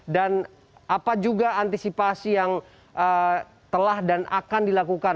dan apa juga antisipasi yang telah dan akan dilakukan